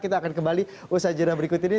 kita akan kembali usaha jadwal berikut ini